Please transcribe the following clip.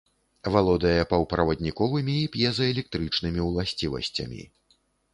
Валодае паўправадніковымі і п'езаэлектрычнымі ўласцівасцямі.